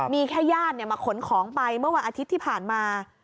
มีแค่ญาติมาขนของไปเมื่อวันอาทิตย์ที่ผ่านมา